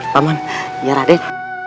paman biar raden